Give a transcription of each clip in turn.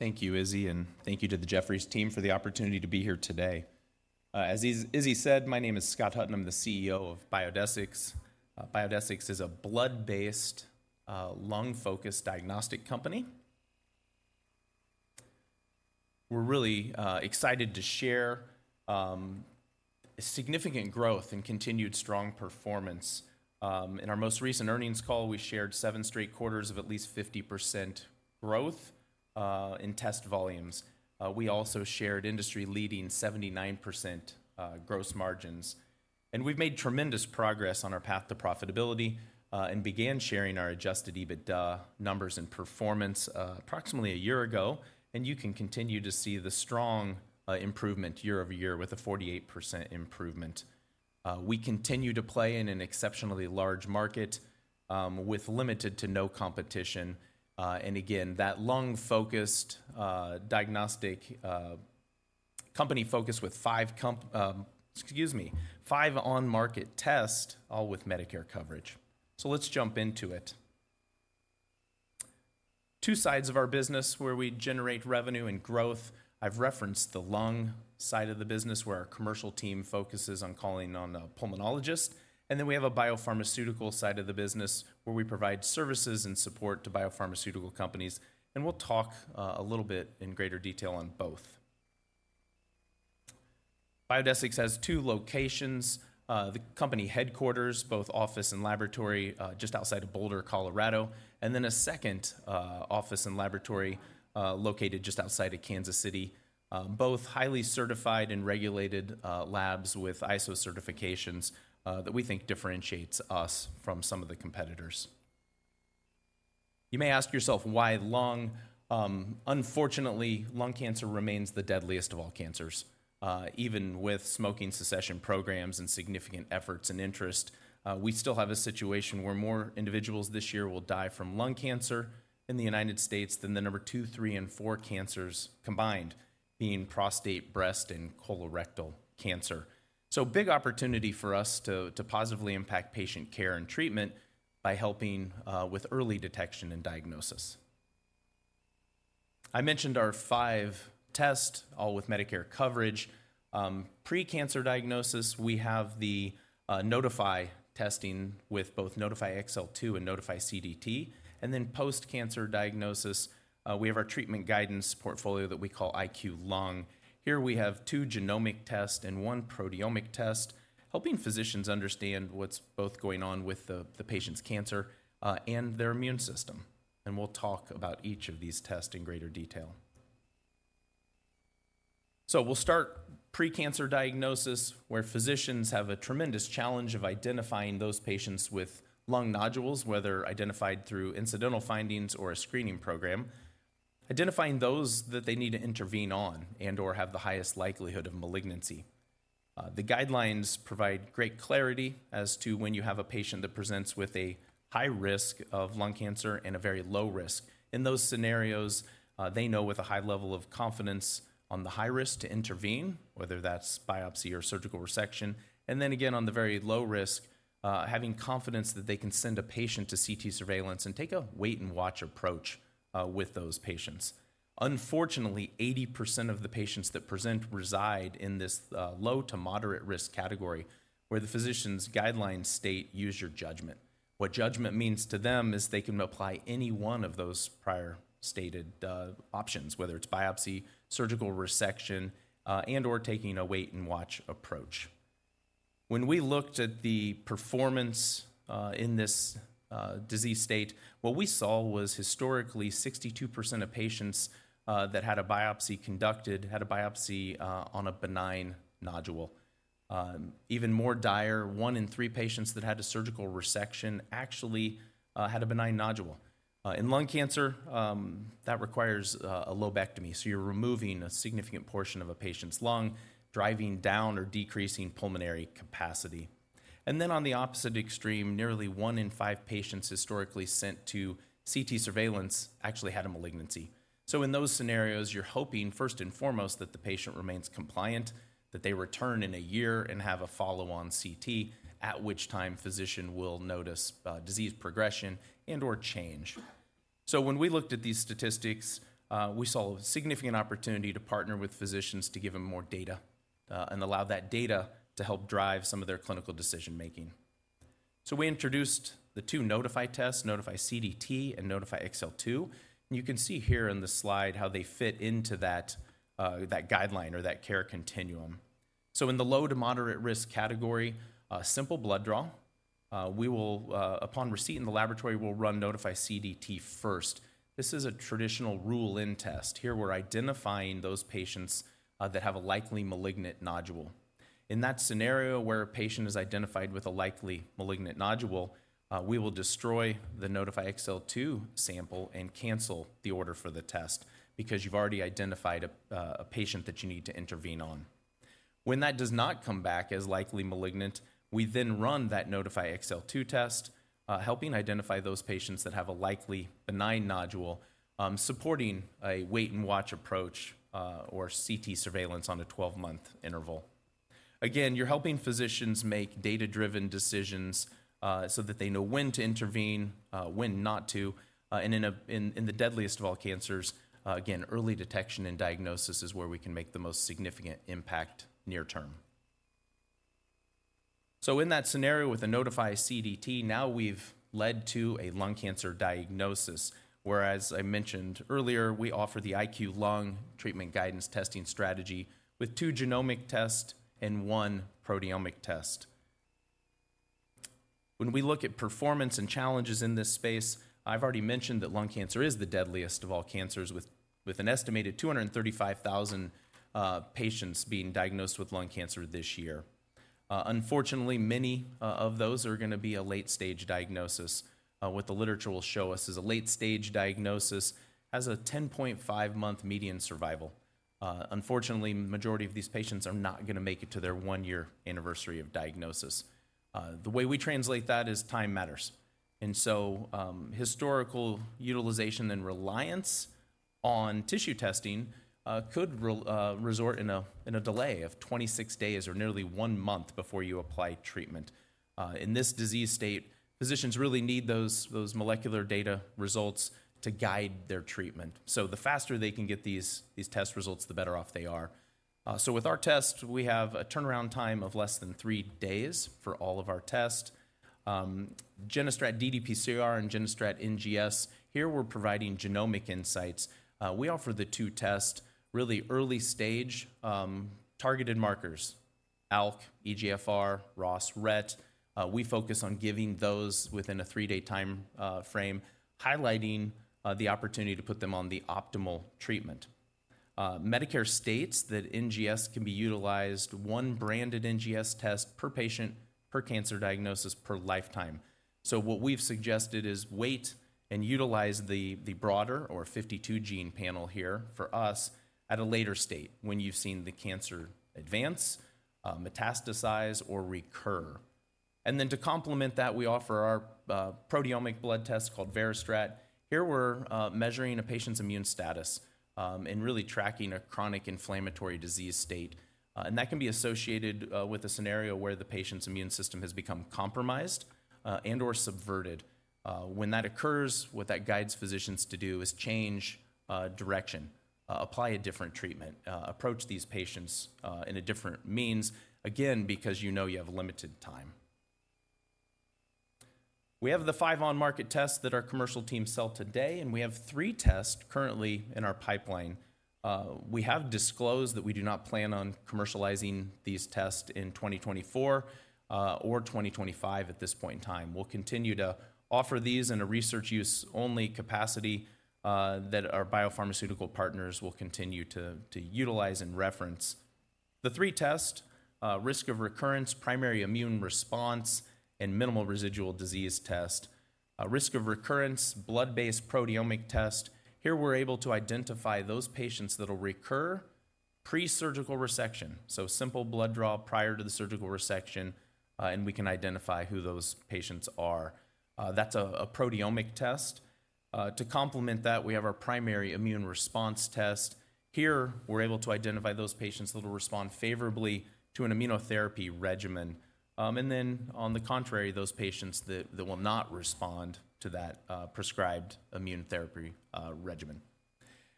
Thank you, Izzy, and thank you to the Jefferies team for the opportunity to be here today. As Izzy said, my name is Scott Hutton. I'm the CEO of Biodesix. Biodesix is a blood-based, lung-focused diagnostic company. We're really excited to share significant growth and continued strong performance. In our most recent earnings call, we shared seven straight quarters of at least 50% growth in test volumes. We also shared industry-leading 79%, gross margins, and we've made tremendous progress on our path to profitability, and began sharing our adjusted EBITDA numbers and performance approximately a year ago, and you can continue to see the strong improvement year-over-year with a 48% improvement. We continue to play in an exceptionally large market with limited to no competition. And again, that lung-focused diagnostic company focus with five, excuse me, five on-market test, all with Medicare coverage. So let's jump into it. Two sides of our business where we generate revenue and growth. I've referenced the lung side of the business, where our commercial team focuses on calling on the pulmonologist, and then we have a biopharmaceutical side of the business, where we provide services and support to biopharmaceutical companies, and we'll talk a little bit in greater detail on both. Biodesix has two locations, the company headquarters, both office and laboratory, just outside of Boulder, Colorado, and then a second office and laboratory located just outside of Kansas City. Both highly certified and regulated labs with ISO certifications that we think differentiates us from some of the competitors. You may ask yourself, "Why lung?" Unfortunately, lung cancer remains the deadliest of all cancers. Even with smoking cessation programs and significant efforts and interest, we still have a situation where more individuals this year will die from lung cancer in the United States than the number two, three, and four cancers combined, being prostate, breast, and colorectal cancer. So big opportunity for us to positively impact patient care and treatment by helping with early detection and diagnosis. I mentioned our five tests, all with Medicare coverage. Pre-cancer diagnosis, we have the Nodify testing with both Nodify XL2 and Nodify CDT, and then post-cancer diagnosis, we have our treatment guidance portfolio that we call IQLung. Here we have two genomic tests and one proteomic test, helping physicians understand what's both going on with the patient's cancer and their immune system, and we'll talk about each of these tests in greater detail. So we'll start pre-cancer diagnosis, where physicians have a tremendous challenge of identifying those patients with lung nodules, whether identified through incidental findings or a screening program, identifying those that they need to intervene on and/or have the highest likelihood of malignancy. The guidelines provide great clarity as to when you have a patient that presents with a high risk of lung cancer and a very low risk. In those scenarios, they know with a high level of confidence on the high risk to intervene, whether that's biopsy or surgical resection, and then again, on the very low risk, having confidence that they can send a patient to CT surveillance and take a wait-and-watch approach, with those patients. Unfortunately, 80% of the patients that present reside in this, low to moderate risk category, where the physician's guidelines state, "Use your judgment." What judgment means to them is they can apply any one of those prior stated, options, whether it's biopsy, surgical resection, and/or taking a wait-and-watch approach. When we looked at the performance, in this, disease state, what we saw was historically 62% of patients, that had a biopsy conducted, had a biopsy, on a benign nodule. Even more dire, one in three patients that had a surgical resection actually had a benign nodule. In lung cancer, that requires a lobectomy, so you're removing a significant portion of a patient's lung, driving down or decreasing pulmonary capacity. And then on the opposite extreme, nearly one in five patients historically sent to CT surveillance actually had a malignancy. So in those scenarios, you're hoping, first and foremost, that the patient remains compliant, that they return in a year and have a follow-on CT, at which time physician will notice disease progression and/or change. So when we looked at these statistics, we saw a significant opportunity to partner with physicians to give them more data, and allow that data to help drive some of their clinical decision-making. So we introduced the two Nodify tests, Nodify CDT and Nodify XL2. You can see here in the slide how they fit into that, that guideline or that care continuum. So in the low to moderate risk category, a simple blood draw. We will, upon receipt in the laboratory, we'll run Nodify CDT first. This is a traditional rule-in test. Here, we're identifying those patients, that have a likely malignant nodule. In that scenario, where a patient is identified with a likely malignant nodule, we will destroy the Nodify XL2 sample and cancel the order for the test, because you've already identified a, a patient that you need to intervene on. When that does not come back as likely malignant, we then run that Nodify XL2 test, helping identify those patients that have a likely benign nodule, supporting a wait-and-watch approach, or CT surveillance on a twelve-month interval. Again, you're helping physicians make data-driven decisions, so that they know when to intervene, when not to, and in the deadliest of all cancers, again, early detection and diagnosis is where we can make the most significant impact near term. So in that scenario, with a Nodify CDT, now we've led to a lung cancer diagnosis, whereas I mentioned earlier, we offer the IQLung treatment guidance testing strategy with two genomic tests and one proteomic test. When we look at performance and challenges in this space, I've already mentioned that lung cancer is the deadliest of all cancers, with an estimated 235,000 patients being diagnosed with lung cancer this year. Unfortunately, many of those are gonna be a late-stage diagnosis. What the literature will show us is a late-stage diagnosis has a 10.5-month median survival. Unfortunately, majority of these patients are not gonna make it to their one-year anniversary of diagnosis. The way we translate that is time matters. And so, historical utilization and reliance on tissue testing could result in a delay of 26 days or nearly one month before you apply treatment. In this disease state, physicians really need those molecular data results to guide their treatment. So the faster they can get these test results, the better off they are. So with our tests, we have a turnaround time of less than three days for all of our tests. GeneStrat ddPCR and GeneStrat NGS, here we're providing genomic insights. We offer the two tests really early stage, targeted markers, ALK, EGFR, ROS, RET. We focus on giving those within a three-day time frame, highlighting the opportunity to put them on the optimal treatment. Medicare states that NGS can be utilized, one branded NGS test per patient, per cancer diagnosis, per lifetime. So what we've suggested is wait and utilize the broader, our 52-gene panel here for us at a later stage when you've seen the cancer advance, metastasize, or recur. And then to complement that, we offer our proteomic blood test called VeriStrat. Here we're measuring a patient's immune status and really tracking a chronic inflammatory disease state. And that can be associated with a scenario where the patient's immune system has become compromised and or subverted. When that occurs, what that guides physicians to do is change direction, apply a different treatment, approach these patients in a different means, again, because you know you have limited time. We have the five on-market tests that our commercial teams sell today, and we have three tests currently in our pipeline. We have disclosed that we do not plan on commercializing these tests in 2024 or 2025 at this point in time. We'll continue to offer these in a research use-only capacity that our biopharmaceutical partners will continue to utilize and reference. The three tests, Risk of Recurrence, Primary Immune Response, and Minimal Residual Disease test. A Risk of Recurrence, blood-based proteomic test. Here we're able to identify those patients that will recur pre-surgical resection, so simple blood draw prior to the surgical resection, and we can identify who those patients are. That's a proteomic test. To complement that, we have our Primary Immune Response test. Here, we're able to identify those patients that will respond favorably to an immunotherapy regimen. And then on the contrary, those patients that will not respond to that prescribed immune therapy regimen.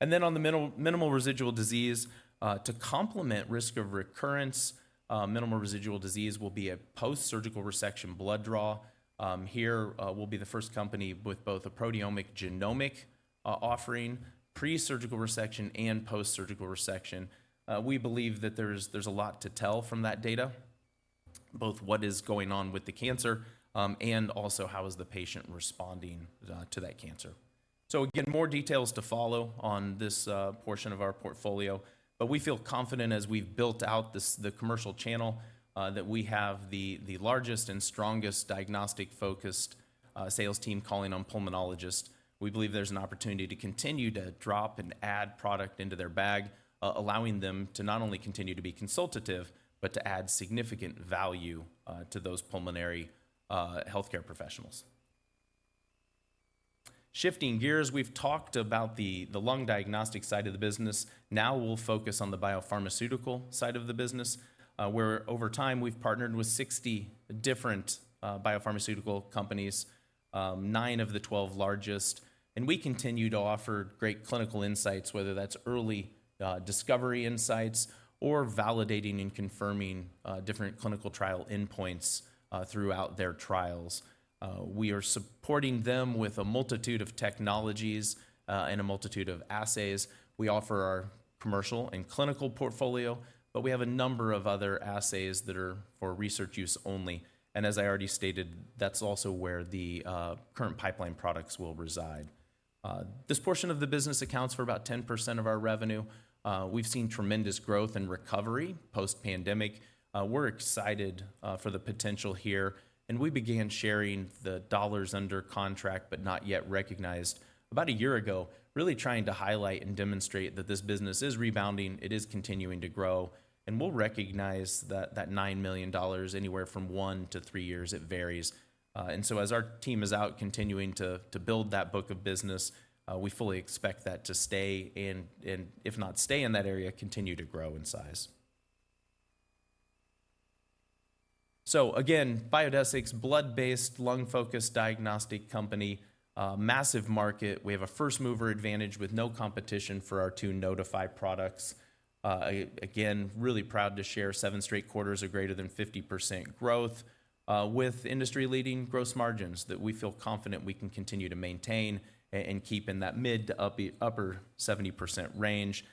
And then on the Minimal Residual Disease, to complement Risk of Recurrence, Minimal Residual Disease will be a post-surgical resection blood draw. Here, we'll be the first company with both a proteomic, genomic offering, pre-surgical resection, and post-surgical resection. We believe that there's a lot to tell from that data, both what is going on with the cancer, and also how is the patient responding to that cancer. So again, more details to follow on this portion of our portfolio, but we feel confident as we've built out the commercial channel that we have the largest and strongest diagnostic-focused sales team calling on pulmonologists. We believe there's an opportunity to continue to drop and add product into their bag, allowing them to not only continue to be consultative, but to add significant value to those pulmonary healthcare professionals. Shifting gears, we've talked about the lung diagnostic side of the business. Now we'll focus on the biopharmaceutical side of the business, where over time, we've partnered with 60 different biopharmaceutical companies, nine of the 12 largest, and we continue to offer great clinical insights, whether that's early discovery insights or validating and confirming different clinical trial endpoints throughout their trials. We are supporting them with a multitude of technologies and a multitude of assays. We offer our commercial and clinical portfolio, but we have a number of other assays that are for research use only. And as I already stated, that's also where the current pipeline products will reside. This portion of the business accounts for about 10% of our revenue. We've seen tremendous growth and recovery post-pandemic. We're excited for the potential here, and we began sharing the dollars under contract, but not yet recognized about a year ago, really trying to highlight and demonstrate that this business is rebounding, it is continuing to grow, and we'll recognize that $9 million anywhere from one to three years, it varies. And so as our team is out continuing to build that book of business, we fully expect that to stay in, and if not stay in that area, continue to grow in size. So again, Biodesix's blood-based, lung-focused diagnostic company, massive market. We have a first-mover advantage with no competition for our two Nodify products. Again, really proud to share seven straight quarters of greater than 50% growth, with industry-leading gross margins that we feel confident we can continue to maintain and keep in that mid- to upper-70% range.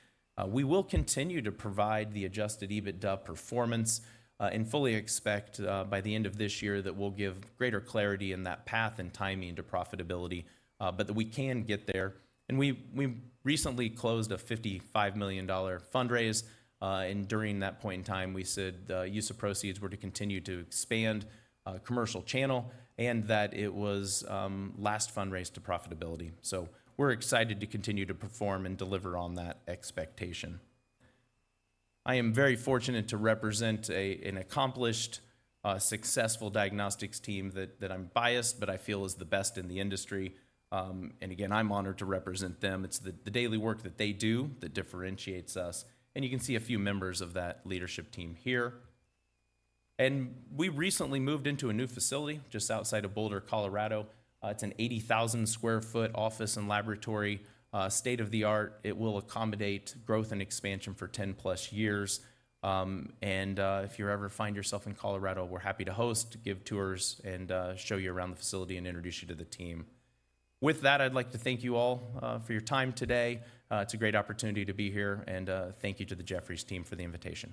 We will continue to provide the Adjusted EBITDA performance, and fully expect, by the end of this year that we'll give greater clarity in that path and timing to profitability, but that we can get there. And we recently closed a $55 million fundraise, and during that point in time, we said, use of proceeds were to continue to expand commercial channel, and that it was last fundraise to profitability. So we're excited to continue to perform and deliver on that expectation. I am very fortunate to represent an accomplished successful diagnostics team that I'm biased, but I feel is the best in the industry. And again, I'm honored to represent them. It's the daily work that they do that differentiates us, and you can see a few members of that leadership team here. We recently moved into a new facility just outside of Boulder, Colorado. It's an 80,000 sq ft office and laboratory, state-of-the-art. It will accommodate growth and expansion for 10+ years. If you ever find yourself in Colorado, we're happy to host, give tours, and show you around the facility and introduce you to the team. With that, I'd like to thank you all for your time today. It's a great opportunity to be here, and thank you to the Jefferies team for the invitation.